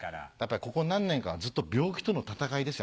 ここ何年かはずっと病気との闘いですよ